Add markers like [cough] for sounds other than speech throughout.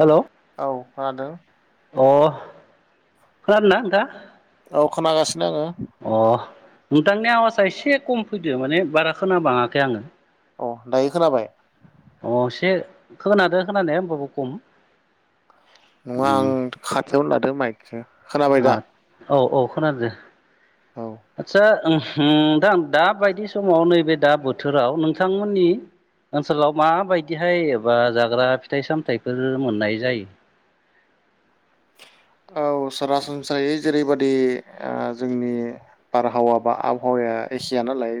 Hello औ खोनादों अ खोनादो ना नोंथाङा? औ खोनागासिनो आङो अ नोंथांनि आवाजआ एसे खम फैदो माने बारा खोनाबाङाखै आङो अ दायो खोनाबाय अ एसे खोनादो खोनानाया होमबाबो खम नङा उम आं खाथियावनो लादो माइकखो खोनाबाय दा औ औ खोनादो औ आतसा उम होम दा दा दााबायदि समाव नैबे दा बोथोराव नोंथांमोननि ओनसोलाव माबायदिहाय एबा जाग्रा फिथाइ सामथाइफोर मोननाय जायो? औ सरासनस्रायै जेरैबादि जोंनि बारहावा बा आबहावाया एसेयानो नालाय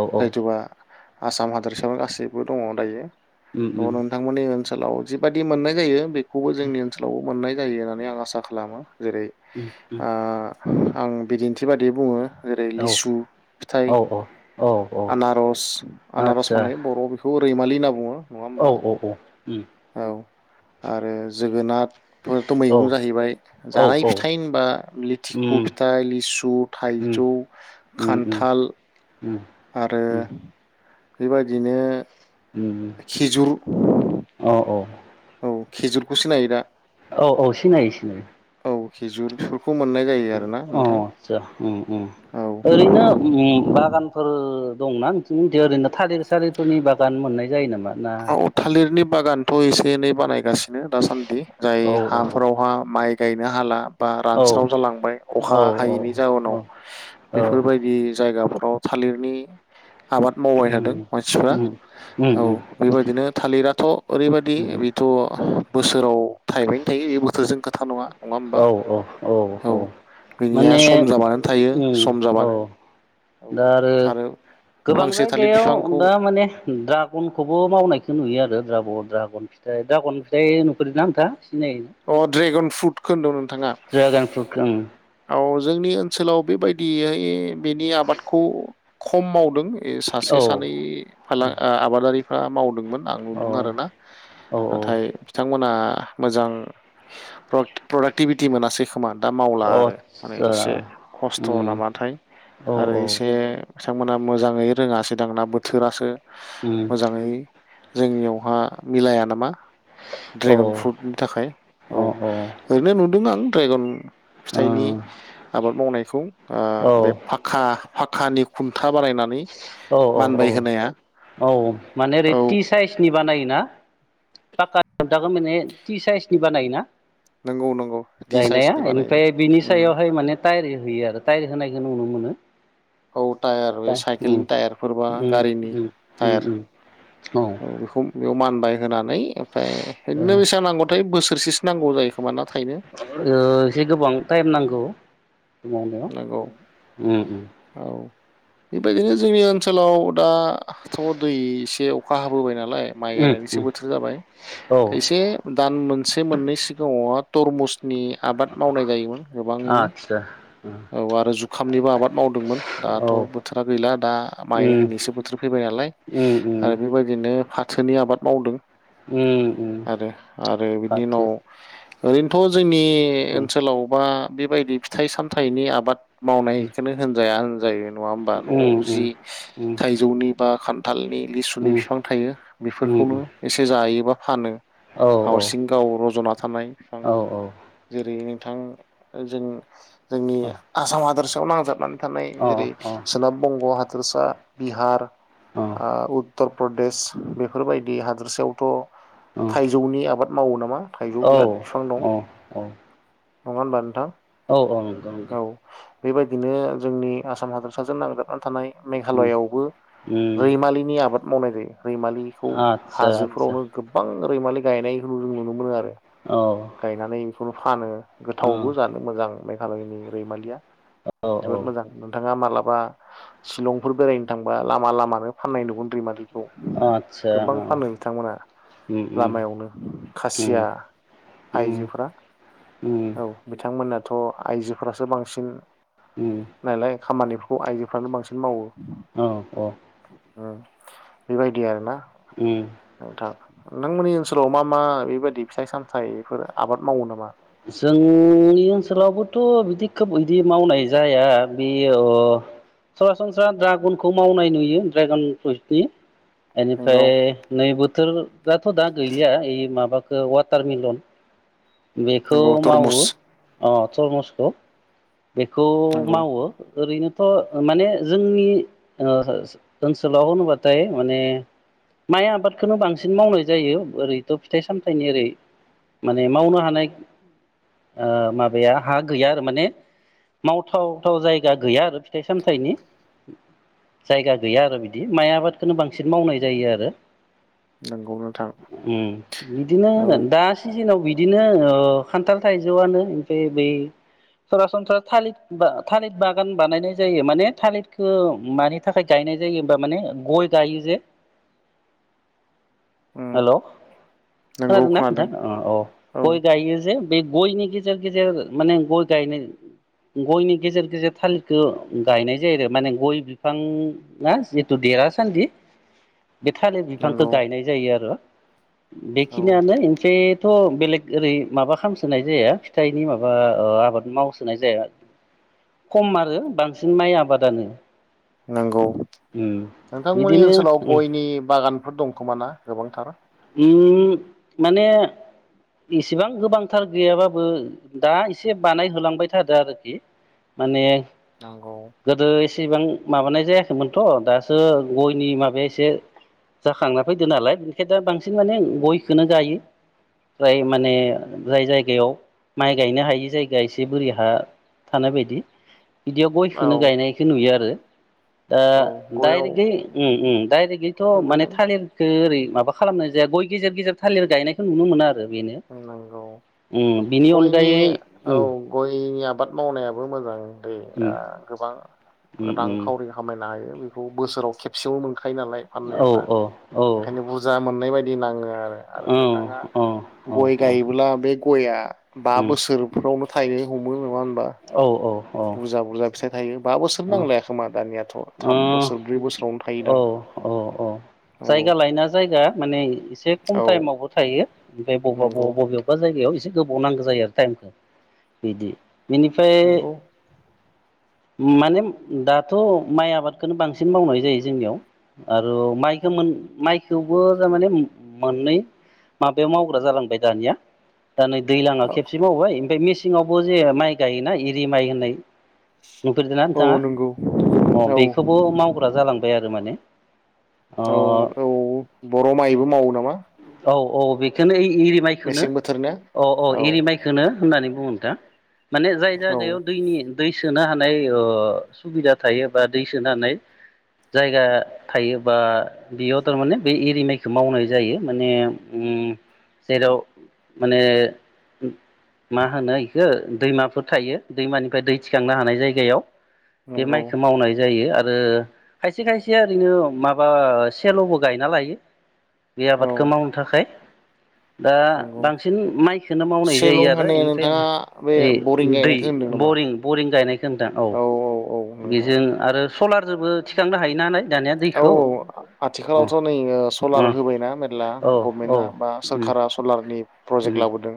औ औ [unintelligible] आसाम हादरसायाव गासैबो दङ दायो उम थ उम नोंथांमोननि ओन सोलाव जिबादि मोननाय जायो बे खौबो जोंनि ओनसोलावबो मोननाय जायो। ना नै आं आसा खालामो। जेरै उम उम आ आं बिदिन्थि बादियै बुङो। जेरै औ लिसु फिथाइ औ औ औ औ आनारस आनारस आदसा माने बर'आव बेखौ रैमलि होनना बुङो। औ होमबा औ औ उम औ आरो जोगोनाथ थ'मेथ' औ मैगं जाहैबाय औ जानाय औ फिथाइ होनबा लिथिखु उम फिथाइ लिसु उम थाइजौ उम उम खान्थाल उम आरो उम बे बायदिनो उम खेजुर औ औ औ खेजुरखौसो नायो दा? औ औ सिनायो सिनायो। औ खिजुर [unintelligible] उम अ' सा उम उम औ ओरैनो ओम बागान फोर दंना नोंसिनिथिं ओरैनो थालिर सालिरफोरनि बागान मोननाय जायो नामा? ना आव थालिरनि बागानथ एसे एनै बानायगास नो दासान्दि जाय औ हाफोराव हा माइ गायनो हाला बा औ रानस्राव जालांबाय औ अखा हायैनि औ जाउनाव औ औ बेफोरबायदि जायगाफोर औ थालिरनि आबाद मावबाय थादों उम मानसिफ्रा उम उम औ उम बेबायदिनो थालिराथ' ओरैबायदि उम बेथ' बोसोराव थाइबायनो थायो बे बोथोरजों खोथा नङा होमबा औ औ औ औ बिनिया माने सम जाबानो थायो उम सम औ जाबानो औ दा आरो गोबां फांसे थालिर जायगायाव बिफांखौ दा माने द्रागनखौबो मावनाय खो नुयो आरो द्राब द्रागन फिथाइ द्रागन फिथाइ नुफेदोना ओंथां अ' ड्रेगन फ्रुटखौ होनदों नोंथाङा? ड्रागन फ्रुट औ जोंनि ओनसोलाव बेबायदिहाय बेनि आबादखौ खम मावदों। ए सासे ओं सानै फाल आबादारि फोरा मावदोंमोन। आं औ नुदों आरोना औ नाथाय बिथांमोना आ मोजां। प्र प्रडाक्टिभिटि मोनासै खोमा दा मावला औ अ आरो माने आतसा एसे खस्थ उम नामाथाय औ आरो औ एसे मोना मोजाङै रोङासै दां ना बोथोरासो उम मोजाङै जोंनियाव हा मिलाया नामा औ ड्रेगन फ्रुटनि थाखाय औ अ अ ओरैनो नु दों आं ड्रायगन‌ फिथाइनि ओं आबाद मावनायखौ आ औ बे फाखा फाखानि खुन्था बानायनानै औ औ औ मानबाय होनाया औ माने ओरै औ ति साइसनि बानायोना पाका खुन्थाखौ माने ति साइसनि बानायोना नंगौ नंगौ टि गायनाया साइसनि बानायो एनिफ्राय बिनि उम सायावहाय माने तायेर होयो आरो तायेर होनायखौ नुनो मोनो। औ तायार दा होयो उम साइकेलनि तायारफोर बा उम गारिनि उम तायार उम उम औ बेखौ बेयाव मान ताइ होनां नै फाय ओ इदिनो बेसा नांगौथाय बोसोरसे नांगौ जायो खोमाना? ओ इसे गोबां टाइम नांगौ। नांगौ मावनायाव ओम ओम। औ बेबायदिनो जोंनि ओनसोलाव दा थ' दै इसे अखा हाबोबाय ना लाय माइ उम उम गायनायनिसो उम बोथोर जाबाय औ इसे दान मोनसे मोननै सिगाङावहा तरमुस नि आबाद मावनाय जायोमोन गोबाङैनो आदसा औ आरो जुखामनिबो आबाद मावदोंमोन दाथ' औ बोथोरा गैला दा माइ उम होनैसो बोथोर फैबाय नालाय उम उम आरो बेबायदिनो ओ फाथोनि आबाद मावदों। उम उम आरो आरो बिनि फाथो उनाव ओरैनोथ' जोंनि उम ओनसोलाव बा बेबायदि फिथाइ साम थाइनि आबाद मावनायखोनो होनजाया होनजायो नंङा होमबा? न'आव उम जि उम उम उम थाइजौनि बा खान थालनि लिसुनि उम बिफां थायो बेफोरखौनो उम एसे जायोबा फानो औ हावरसिं गाव रज'ना थानाय फिफां औ औ जेरैयै थां ओजों जोंनि आसाम हादोरस आव नांजाबनानै थानाय अ जेरै सोनाब बंग हाद दोरसा बिहार अ आह उद उत्तर प्रदेश बेफोरबायदि हादोरसायावथ थाइजौनि आबाद मावयो मा थाइजौ औ बिराद फिफां दं। अ औ नंङा होनबा नोंथां? औ औ नंगौ नंगौ। औ बेबायदिनो जोंनि आसाम हादरसाजों नांजाबनानै थानाय उम मेघालआवबो उम रैमालिनि आबाद मावनाय जायो। रैमालिखौ आदसा आदसा हाजोफ्रावनो गोबां रैमालि गायनायखौ नुनो मोनो आरो। औ गायनानानै खौबो फानो अ गोथावबो जानो मोजां। मेघालयनि रैमालिया औ औ जोबोर मोजां नोंथां। नोहा मालाबा सिलंफोर बेरायनो थांबा लामा लामानो फाननाय नुगोन रैमालिखौ आतसा गोबां अ फानो बिथांमोना उम उम लामायावनो उम खासिया उम आइजोफ्रा उम औ बिथांमोना थ आइजोफोरासो बांसिन ओम नालाय खामानिफोरखौ आइजोफ्रानो बांसिन मावो औ औ ओम बेबायदि आरो ना उम नोंथां नोंथांमोननि ओनसोलाव मा मा बेबायदि फिथाइ सामथाइफोर आबाद मावो नामा जोंनि ओनसोलावबोथ बिदि खोब बिदि मावनाय जाया बेयो ओ सरासनस्रा ड्रागनखौ मावनाय नुयो ड्रागन फ्रुइटनि बेनिफ्राय नंगौ नै बोथोर दाथ दा गैलिया ओइ माबाखो वाटारमिलन बेखौ नंगौ मावो तरमुस अ तरमुज ओ बेखौ नंगौ मावो ओरैनो थ माने जोंनि ओ ओनसोलाव होनोब्लाथाय माने माइ आबादखौनो बांसिन मावनाय जायो ओरैथ फिथाइ सामथाइनि ओरै माने मावनो हानाय ओ माबाया हा गैया आरो माने मावथावथाव जायगा गैया आरो फिथाइ सामथाइनि जायगा गैया आरो बिदि माइ आबादखौो बांसिन मावनाय जायो आरो नंगौ नोंथां उम बिदिनो औ होगोन दा सिजोनाव बिदि बिदिनो ओ खान्थाल थाइजौआनो ओमफ्राय बै सरा थालिर थालिर बागान बानायनाय जायो माने थालिरखौ मानि थाखाय गायनाय जायोबा माने गय गायो जे उम हेल' नंगौ खोनादोंना नोंथां खोनादों अ औ गय गायो जे बे गयनि गेजेर गेजेर माने गय गायनाय गयनि गेजेर गेजेर थालिरखौ गायनाय जायो आरो माने गय बिफाङआ जिथु देरासान्दि बे थालिर बिफांखौ नंगौ गायनाय जायो आरो औ बेखिनियानसै इनफाय थ' बेलेग ओरै माबा खालामसोनाय जाया फिथाइनि माबा ओ आबाद मावस साय जाया खम आरो बांसिन माइ आबादानो नंगौ उम नोंथांमोननि बिदिनो ओनसोलाव उम गयनि बागानफोर दंखोमा ना गोबांथार ओम माने इसेबां गोबांथार गैयाबाबो दा एसे बानायहोलांबाय थादो आरोखि माने नंगौ गोदो एसेबां माबानाय जायाखैमोनथ' दासो गयनि माबाया एसे जाखांना फैदो नालाय बेनिखायनो दा बांसिन बांसिन माने गयखौनो गायो जाय माने जाय जायगायाव माइ गायनो हायि जायगाया एसे बोरि हा थानाय बायदि बिदियाव गय औ खोनो गायनायखो नुयो आरो दा औ गयाव दायरेगै दायरेग बिथ' माने बेनो थालिरखो ओरै माबा खालामनाय जाया गय गेजेर गेजेर थालिर गायनायखौ नुनो मोनो आरो बेनो नोंगौ उम बिनि गयनि अनगायै औ उम गयनि आब आबाद मावनायाबो मोजां दै ओ उम गोबां उम उम रांखावरि खामायनो हायो बेखौ बोसोराव खेबसेयाव मोन खायो नालाय औ फाननायावहा औ औ ओंखायनो बुरजा मोननाय बायदि दिनाङो आरो आरो औ नोंथांआ औ गय औ गायोब्ला बे बे गया बा उम बोसोरफ्रावनो थायनो हमो नङा औ औ ओ बुरजा बुरजा फिथाइ थायो बा बोसोर नांलाय खोमा दानियाथ थाम औ बोसोर ब्रै बोसोरावनो थायोदां औ औ औ जायगा लायना जायगा माने एसे खम औ टाइमावबो थायो ओमफ्राय बबेबा बबेबा नंगौ बबेयावबा जायगायाव एसे गोबाव नांगौ जायो आरो टाइमखौ बिदि बेनिफ्राय नंगौ माने दाथ माइ आबादखौनो बांसिन मावनाय जायो जोंनियाव औ माइखौ थेवबो थारमाने मोननै माबायाव मावग्रा जालांबाय दानिया दा नै दैलाङा खेबसे मावबाय बे मेसेंआवबो जे माइ गायोना एरि माइ होननाय नफेरदों ना औ नोंथाङा नंगौ अ औ बेखौबो मावग्रा जालांबाय आरो माने अ औ औ बर माइबो मावो नामा औ औ बेखौनो एरि माइखौनो मेसें बोथोर ना अ औ एरि माइखौनो होननानै बुङ दा माने जाय औ जायगायाव दैनि दै सोनो हानाय ओ सुबिदा थायो बा दै सोनाय जायगा थायो बा बेयाव थारमाने बे एरि माइखौ मावनाय जायो माने जेराव माने मा होनो बेखौ दैमाफोर थायो दैमानिफ्राय दै थिखांनो हानाय जायो। [unintelligible] याव बे नंगौ माइखौ मावनाय जायो आरो आरो खायसे खायसे ओरैनो माबा सेलबो गायना लायो। बे औ आबादखौ मावनो थाखाय। दा नंगौ बांसिन माइखौनो मावनाय सेल' जायो आरो माने बेनिफ्राय नोंथाङा बे ओइ बरिं दै गायनायखौ होनदों नामा बरिं बरिं गायनायख दां औ बेजों आरो सलारजोंबो थिखांनो हायो नालाय। दानिया औ दैखौ अ आथिखालावथ नै सलार अ होबायना मेर्ला औ गभारमेन्टआ औ बा उम सोरखारा सलारनि उम प्रजेक्ट लाबोदों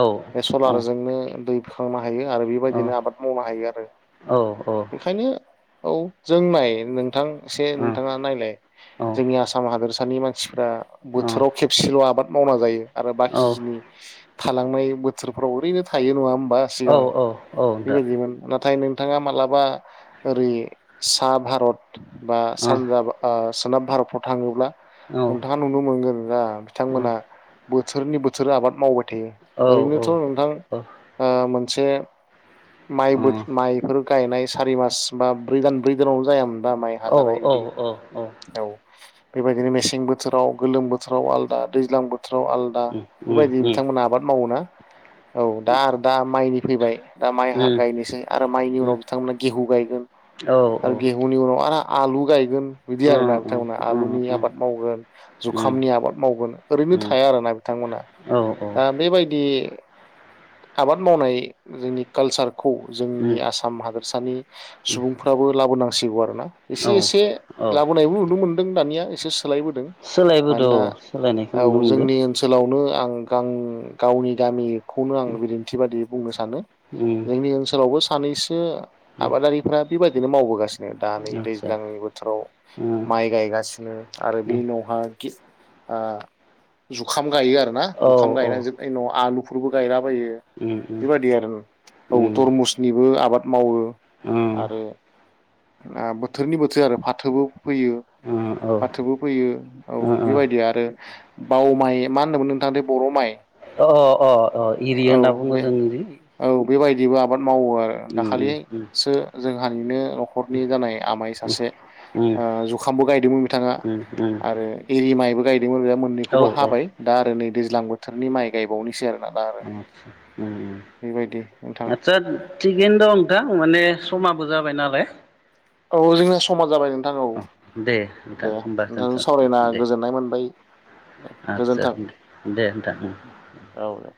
औ बे औ सलारजोंनो। दैखांना। हायो आरो बेबायदिनो आबाद मावनो हायो आरो औ बेखायनो औ जों नाय नोंथां सेल बिथाङा नायलाय जोंनि औ आसाम हादोर थानि मानसि ओ बोथोराव खेबसेल' आबाद मावना जायो। आरो औ औ बाखिखिनि थालांनाय बोथोरफ्राव ओरैनो थायो नङा होम बा औ दा औ सिगां बेबायदिमोन नाथाय नों नोंथाङा मालाबा ओरै सा भारत सानजाब सोनाब भारतफ्राव थाङोब्ला नोंथाङा नुनो मोनगोन ना बिथांमोना बोथोरनि बोथोरा आबाद मावबाय जों ओरैनोथ' नोंथां ओ से माइबो माइफोर गायनाय सारि मास बा ब्रै दान ब्रै दानावनो जायामोन। बा माइ हाजानाय औ बि औ औ बेबायदिनो मेसें बोथोराव गोलोम बोथोराव आलदा दैज्लां बो थोराव आलादा उम उम बेबायदि बिथांमोना आबाद मावोना औ दा आरो दा माइनि फैबाय दा माइ उम गायनोसै आरो माइनि उनाव उम बिथांमोना गेहु गायगोन औ औ ओ उम औ आरो गेहुनि उनाव आरो आलु गाय बिदि आरोना बिथांमोना आलुनि आबाद मावगोन जुखामनि आबाद मावगोन ओरैनो थाया आरोना बिथांमोना दा बेबायदि आबाद मावनाय जोंनि कालचार खौ जोंनि उम आसाम हादोरसानि उम सुबुंफ्राबो लाबोनां [unintelligible] एसे औ एसे औ लाबोनायबो नुनो मोन्दों दानिया एसे एसे सोलायबोदों सोलायबोदो मानोना औ सोलायनायखौ नुनो औ मोनदों जोंनि ओनसोलाव नो आं गां गावनि गामि खौनो आं बिदिन्थि बादि बुंनो सा जोंनि ओनसोलावबो सानैसो आबादारिफ्रा । बेबायदिनो मावबोगासिनो। दानि आदसा दैज्लांनि फोथाराव औ माइ गायगासिनो आरो बे उनाव हां आ जुखाम। गायो आरोना जुखाम औ गायनानै आलु [inaudible] बेबायदि आरो तरमुसनिबो आबाद मावो। उम आरो बोथोरनि बोथोर आरो फाथोबो फैयो फाथोबो फैयो औ अ बेबायदि आरो औ माइ मा होनोमोन नोंथाङ बर' माइ। अ अ अ एरि औ होनना बुङो बे जों औ बेबायदिबो आबाद। मावो आरो औ दाखालिसो जोंहानिनो न'खरनि जानाय आमाइ सासे जुखामबो गायदोंमोन बिथाङा आरो एरि माइबो गाय मोननैखौबो हाबाय दा आरो नै दैज्लां बोथोरनि माइ गायबावनोसै आरो आरोना दा बेबायदि नोंथां [inaudible] आतसा थिगैनो दं नोंथां माने समाबो जाबाय नालाय। औ जोंनिया समान जाबाय नोंथां औ दे नोंथां दे होमबा नोंथांजों दोनथ'नोसै सावरायना दे गोजोननाय मोनबाय दे आदसा गोजोनथों दे नोंथां औ दे।